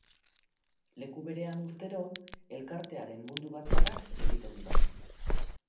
Leku berean urtero elkartearen mundu batzarrak egiten dira.